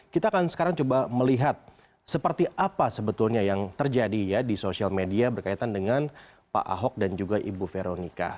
kita akan sekarang coba melihat seperti apa sebetulnya yang terjadi ya di sosial media berkaitan dengan pak ahok dan juga ibu veronica